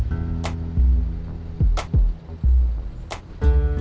ya orang tua sebelum kabur